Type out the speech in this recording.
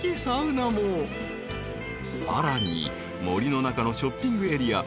［さらに森の中のショッピングエリア